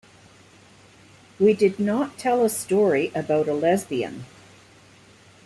We did not tell a story about a lesbian.